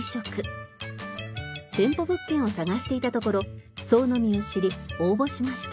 店舗物件を探していたところ創の実を知り応募しました。